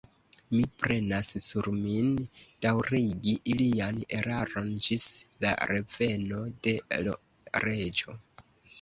Mi prenas sur min, daŭrigi ilian eraron ĝis la reveno de l' Reĝo.